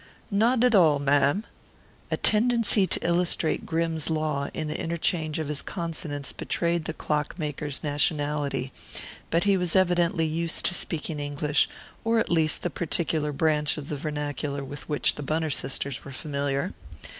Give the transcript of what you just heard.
"Nod ad all, ma'am." A tendency to illustrate Grimm's law in the interchange of his consonants betrayed the clockmaker's nationality, but he was evidently used to speaking English, or at least the particular branch of the vernacular with which the Bunner sisters were familiar.